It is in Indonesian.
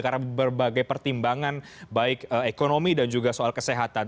karena berbagai pertimbangan baik ekonomi dan juga soal kesehatan